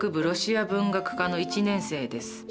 ロシア文学科の１年生です。